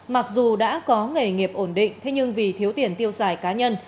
mặc dù đã có nghề nghiệp ổn định thế nhưng vì thiếu tiền tiêu xài cá nhân